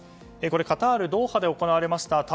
これ、カタール・ドーハで行われました